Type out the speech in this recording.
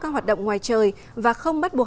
các hoạt động ngoài trời và không bắt buộc